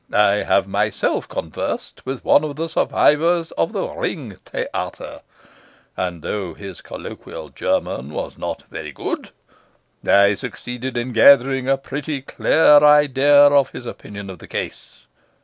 I have myself conversed with one of the survivors of the Ring Theatre, and though his colloquial German was not very good, I succeeded in gathering a pretty clear idea of his opinion of the case.